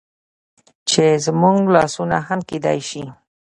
چې زموږ لاسونه هم کيدى شي